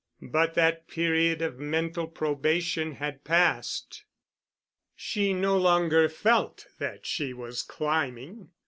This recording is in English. But that period of mental probation had passed. She no longer felt that she was climbing.